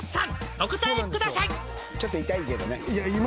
お答えください」